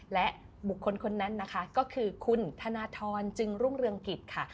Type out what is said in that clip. และบุคคลคนนั้นนะคะก็คือคุณธนทรจึงรุ่งเรืองกิจค่ะ